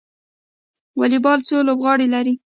والیبال څو لوبغاړي لري؟